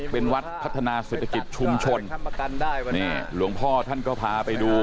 เป็นวัดพัฒนาศิลปิศชุมชนหลวงพ่อท่านก็พาไปดู